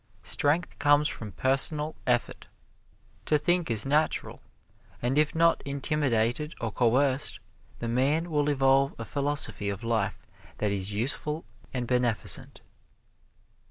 Strength comes from personal effort. To think is natural, and if not intimidated or coerced the man will evolve a philosophy of life that is useful and beneficent.